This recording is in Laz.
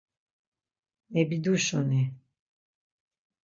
Mebiduşuni.